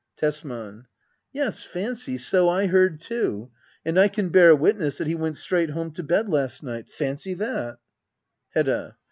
Tesman. Yes, fancy, so I heard too ! And I can bear witness that he went straight home to bed last night. Fancy that * Hedda.